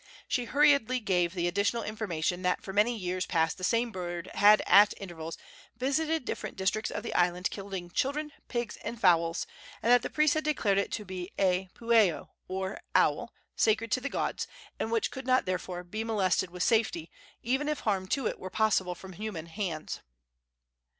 She hurriedly gave the additional information that for many years past the same bird had at intervals visited different districts of the island, killing children, pigs and fowls, and that the priests had declared it to be a pueo, or owl, sacred to the gods, and which could not, therefore, be molested with safety, even if harm to it were possible from human hands.